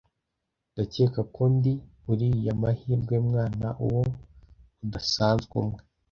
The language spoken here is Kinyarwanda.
ndakeka ko ndi uriya mahirwe mwana, uwo udasanzwe umwe